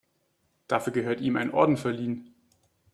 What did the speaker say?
Dafür gehört ihm ein Orden verliehen.